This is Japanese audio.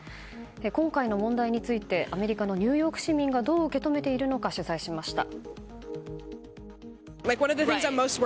今回の問題についてアメリカのニューヨーク市民がどう受け止めているのか取材しました。